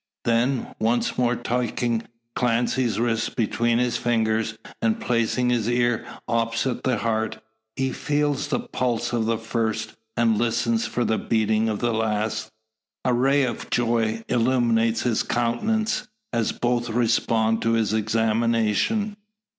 Then, once more taking Clancy's wrist between his fingers, and placing his ear opposite the heart, he feels the pulse of the first, and listens for the beatings of the last. A ray of joy illuminates his countenance, as both respond to his examination.